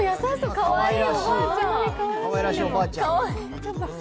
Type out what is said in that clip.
かわいい。